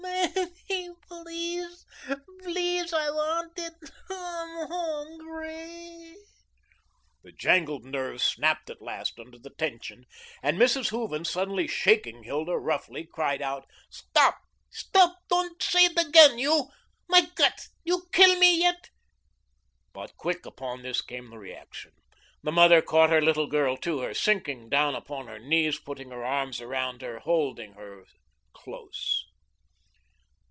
"Ach, Mammy, please, PLEASE, I want it. I'm hungry." The jangled nerves snapped at last under the tension, and Mrs. Hooven, suddenly shaking Hilda roughly, cried out: "Stop, stop. Doand say ut egen, you. My Gott, you kill me yet." But quick upon this came the reaction. The mother caught her little girl to her, sinking down upon her knees, putting her arms around her, holding her close.